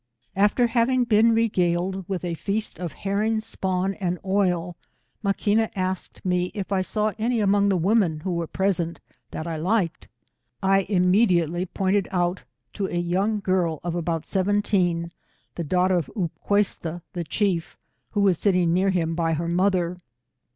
After having been regaled with a feast of herring spawn and oil, Maquina asked me if I saw any a mong the women who were present that I liked, I immediately pointed out to a young girl of about seventeen, the daughter of Upquesta^ the chief, who was sitting near him by her mother.